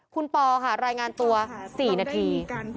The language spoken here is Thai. คุณปอค่ะรายงานตัว๔นาที